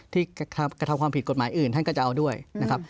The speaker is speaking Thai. กระทำความผิดกฎหมายอื่นท่านก็จะเอาด้วยนะครับ